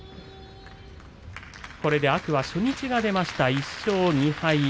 天空海初日が出ました１勝２敗。